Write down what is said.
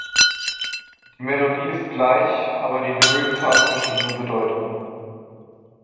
Die Melodie ist gleich, aber die Lyrics haben verschiedene Bedeutungen.